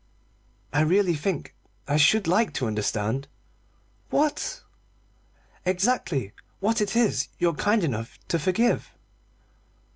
"I really think I should like to understand." "What?" "Exactly what it is you're kind enough to forgive."